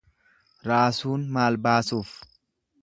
Raasuun maal baasuuf.